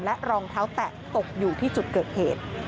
รองเท้าแตะตกอยู่ที่จุดเกิดเหตุ